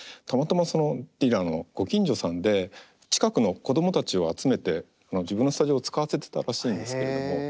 たまたまそのディラのご近所さんで近くの子どもたちを集めて自分のスタジオを使わせてたらしいんですけれども。